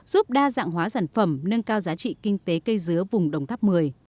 giúp đa dạng hóa sản phẩm nâng cao giá trị kinh tế cây dứa vùng đồng tháp một mươi